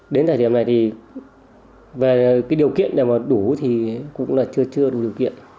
đến thời điểm này thì về cái điều kiện để mà đủ thì cũng là chưa đủ điều kiện